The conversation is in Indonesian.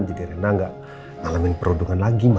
jadi rena gak ngalamin perundungan lagi ma